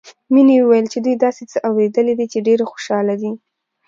مينې وويل چې دوي داسې څه اورېدلي چې ډېرې خوشحاله دي